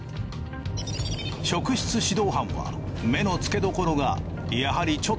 職質指導班は目の付けどころがやはりちょっと違っている。